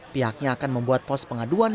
pihaknya akan membuat pos pengaduan